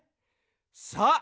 さあ